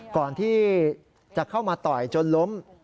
ก่อนที่จะเข้ามาต่อยจนล้ม